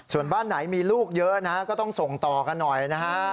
ส่วนบ้านไหนมีลูกเยอะนะก็ต้องส่งต่อกันหน่อยนะฮะ